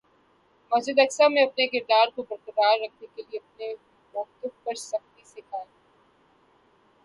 مسجد اقصیٰ میں اپنے کردار کو برقرار رکھنے کے لیے اپنے مؤقف پر سختی سے قائم ہے-